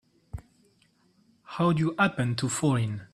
How'd you happen to fall in?